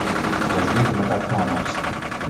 Il a joué comme attaquant à Lens.